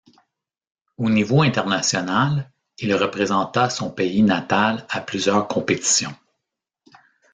Au niveau international, il représenta son pays natal à plusieurs compétitions.